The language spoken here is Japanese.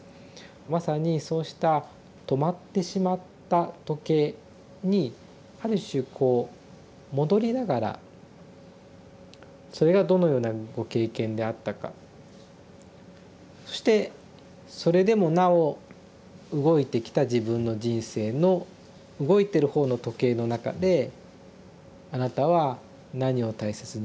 まさにそうした止まってしまった時計にある種こう戻りながらそれがどのようなご経験であったかそしてそれでもなお動いてきた自分の人生の動いてる方の時計の中であなたは何を大切にしてきたか。